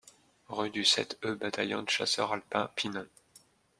Rue du sept e Bataillon de Chasseurs Alpins, Pinon